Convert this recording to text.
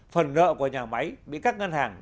phần nợ của nhà máy bị các ngân hàng